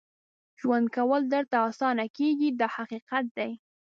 ژوند کول درته اسانه کېږي دا حقیقت دی.